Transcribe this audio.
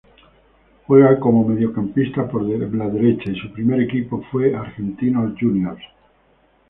Juega como mediocampista por derecha y su primer equipo fue Argentinos Juniors.